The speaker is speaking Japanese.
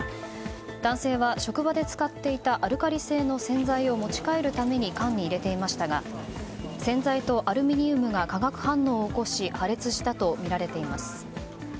男性は職場で使っていたアルカリ性の洗剤を持ち帰るために缶に入れていましたが洗剤とアルミニウムが化学反応を起こし破裂したとみられています。